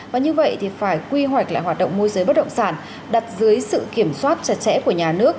và như vậy thì phải quy hoạch lại hoạt động môi giới bất động sản đặt dưới sự kiểm soát chặt chẽ của nhà nước